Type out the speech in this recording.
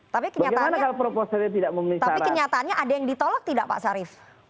tapi kenyataannya ada yang ditolak tidak pak sarif